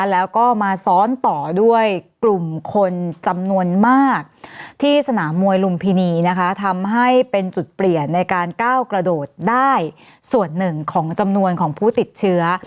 แล้วก็มาซ้อนต่อด้วยกลุ่มคนจำนวนมากที่สนามมวยลุมพินีนะคะทำให้เป็นจุดเปลี่ยนในการก้าวกระโดดได้ส่วนหนึ่งของจำนวนของผู้ติดเชื้อ